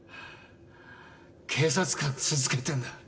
警察官続けてんだ。